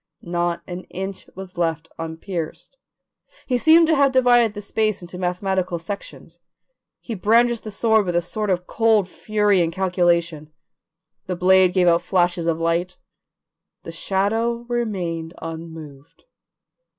Not an inch was left unpierced. He seemed to have divided the space into mathematical sections. He brandished the sword with a sort of cold fury and calculation; the blade gave out flashes of light, the shadow remained unmoved.